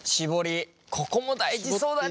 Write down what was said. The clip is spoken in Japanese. ここも大事そうだね！